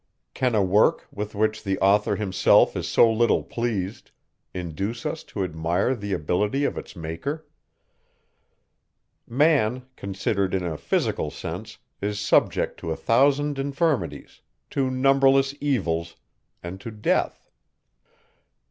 Can a work, with which the author himself is so little pleased, induce us to admire the ability of its Maker? Man, considered in a physical sense, is subject to a thousand infirmities, to numberless evils, and to death.